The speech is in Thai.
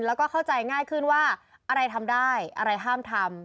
แล้วก็เข้าใจง่ายขึ้นว่าอะไรทำได้อะไรห้ามทำ